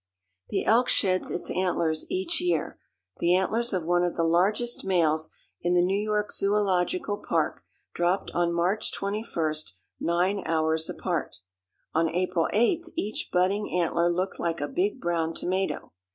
The elk sheds its antlers each year. The antlers of one of the largest males in the New York Zoological Park dropped on March twenty first nine hours apart. On April 8th each budding antler looked like a big brown tomato.